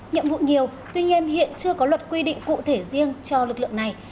nhiệm vụ nhiều tuy nhiên hiện chưa có luật quy định cụ thể riêng cho lực lượng này